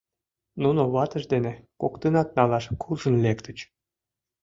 Нуно ватыж дене коктынат налаш куржын лектыч.